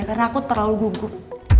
karena aku terlalu gugup